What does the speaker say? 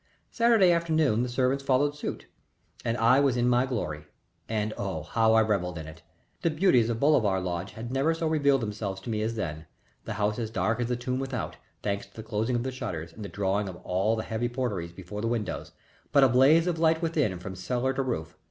Saturday afternoon the servants followed suit, and I was alone in my glory and oh, how I revelled in it! The beauties of Bolivar Lodge had never so revealed themselves to me as then; the house as dark as the tomb without, thanks to the closing of the shutters and the drawing to of all the heavy portières before the windows, but a blaze of light within from cellar to roof.